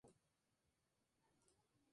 Si crees que no te atreves, no lo harás".